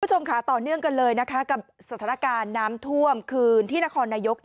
คุณผู้ชมค่ะต่อเนื่องกันเลยนะคะกับสถานการณ์น้ำท่วมคืนที่นครนายก